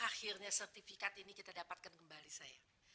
akhirnya sertifikat ini kita dapatkan kembali saya